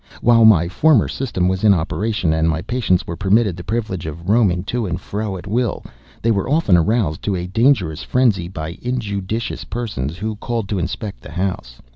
While my former system was in operation, and my patients were permitted the privilege of roaming to and fro at will, they were often aroused to a dangerous frenzy by injudicious persons who called to inspect the house.